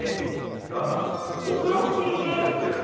きょうはさオフロスキーゲームというのやってみるよ。